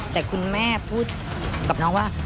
แต่คุณแม่พูดกับน้องว่า